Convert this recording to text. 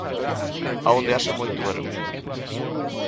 A onde haxa moito barullo.